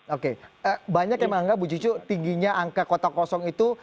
oke banyak yang menganggap ibu cicu tingginya angka kota kosong itu